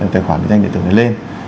tài khoản điện tử này lên